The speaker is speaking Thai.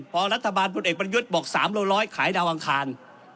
พอรัฐบาลพุทธเอกบรรยุทธบอกสามโลร้อยขายดาวอังคาร